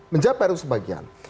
menjawab pr itu sebagian